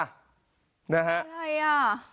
อะไรอ่ะ